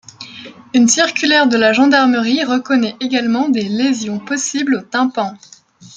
Une circulaire de la gendarmerie reconnaît également des lésions possibles au tympan.